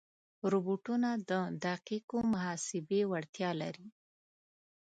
روبوټونه د دقیقو محاسبې وړتیا لري.